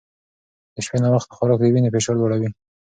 د شپې ناوخته خوراک د وینې فشار لوړوي.